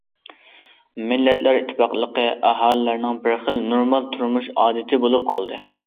مىللەتلەر ئىتتىپاقلىقى ئاھالىلەرنىڭ بىر خىل نورمال تۇرمۇش ئادىتى بولۇپ قالدى.